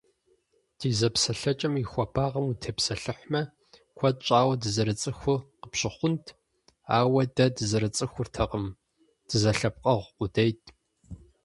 Ди зэпсэлъэкӏэм и хуэбагъым утепсэлъыхьмэ, куэд щӏауэ дызэрыцӏыхуу къыпщыхъунт, ауэ дэ дызэрыцӏыхуртэкъым дызэлъэпкъэгъу къудейт.